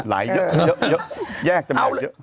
หลายเยอะแยกจะเปลี่ยนเยอะ